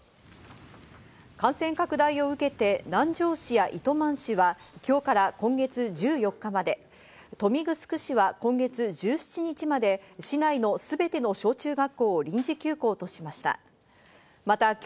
感染拡大を受けて、南城市や糸満市は今日から今月１４日まで豊見城市は今月１７日まで市内の全ての小中学校を臨時休校としました。